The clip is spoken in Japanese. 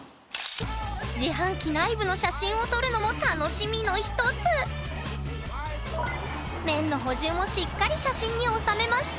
自販機内部の写真を撮るのも楽しみの一つ麺の補充もしっかり写真に収めました